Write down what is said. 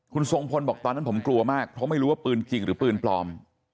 คุณทรงพลบอกตอนนั้นผมกลัวมากเพราะไม่รู้ว่าปืนจริงหรือปืนปลอม